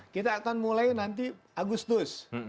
kita akan mulai nanti agustus